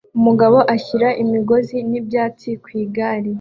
Umugabo ashyira imigozi y'ibyatsi ku igare